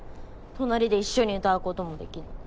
隣で一緒に歌うことも出来ない。